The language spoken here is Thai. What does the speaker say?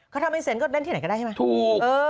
เขาทำไม่เซ็นก็เล่นที่ไหนก็ได้ใช่ไหมถูก